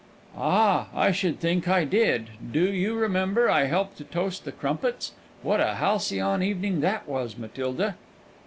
"Ah, I should think I did! Do you remember I helped to toast the crumpets? What a halcyon evening that was, Matilda!"